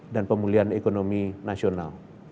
dan pemulihan ekonomi nasional